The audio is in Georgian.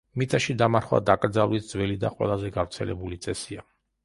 მიწაში დამარხვა დაკრძალვის ძველი და ყველაზე გავრცელებული წესია.